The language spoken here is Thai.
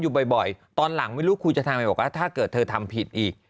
อยู่บ่อยตอนหลังไม่รู้คุยจะทำไมถ้าเกิดเธอทำผิดอี